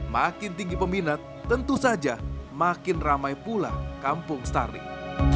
makin tinggi peminat tentu saja makin ramai pula kampung starling